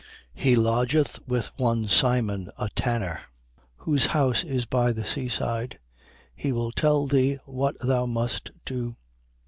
10:6. He lodgeth with one Simon a tanner, whose house is by the sea side. He will tell thee what thou must do.